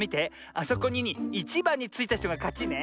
あそこにいちばんについたひとがかちね。